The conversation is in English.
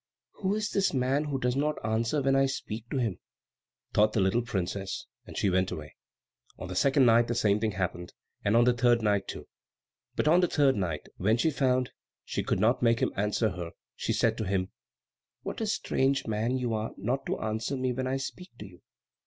"Who is this man who does not answer when I speak to him?" thought the little princess, and she went away. On the second night the same thing happened, and on the third night too. But on the third night, when she found she could not make him answer her, she said to him, "What a strange man you are not to answer me when I speak to you."